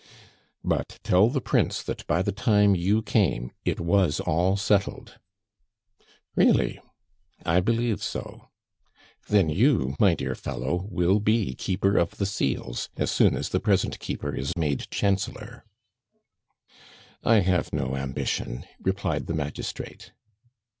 "But tell the Prince that by the time you came it was all settled." "Really!" "I believe so." "Then you, my dear fellow, will be Keeper of the Seals as soon as the present Keeper is made Chancellor " "I have no ambition," replied the magistrate.